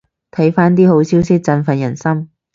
睇返啲好消息振奮人心